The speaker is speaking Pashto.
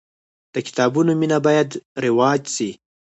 د کتابونو مینه باید رواج سي.